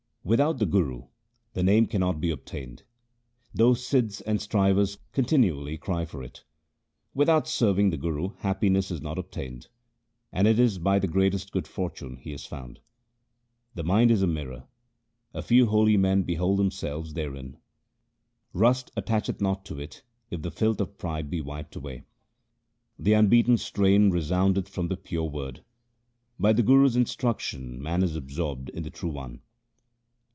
Without the Guru the Name cannot be obtained, Though Sidhs and strivers continually cry for it. Without serving the Guru happiness is not obtained, and it is by the greatest good fortune he is found. The mind is a mirror ; a few holy men behold themselves therein. Rust attacheth not to it if the filth of pride be wiped away. The unbeaten strain resoundeth from the pure Word ; by the Guru's instruction man is absorbed in the True One.